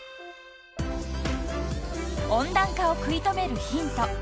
［温暖化を食い止めるヒント